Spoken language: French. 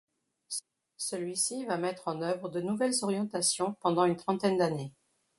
Celui-ci va mettre en œuvre de nouvelles orientations pendant une trentaine d’années.